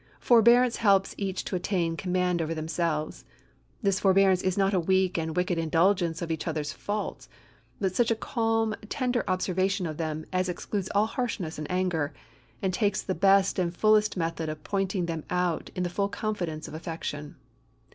Forbearance helps each to attain command over themselves. This forbearance is not a weak and wicked indulgence of each other's faults, but such a calm, tender observation of them as excludes all harshness and anger, and takes the best and fullest method of pointing them out in the full confidence of affection.